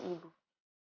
sampai bertemu lagi